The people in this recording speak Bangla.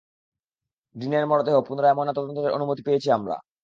ডিনের মরদেহ পুনরায় ময়নাতদন্তের অনুমতি পেয়েছি আমরা।